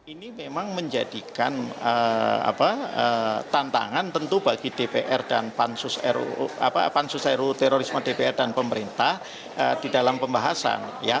ini memang menjadikan tantangan tentu bagi dpr dan pansus ru terorisme dpr dan pemerintah di dalam pembahasan